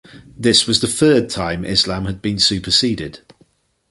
This was the third time Islam had been superseded.